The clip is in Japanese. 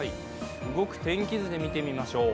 動く天気図で見てみましょう。